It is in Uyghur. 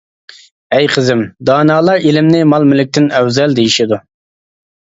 ئەي قىزىم، دانالار ئىلىمنى مال-مۈلۈكتىن ئەۋزەل دېيىشىدۇ.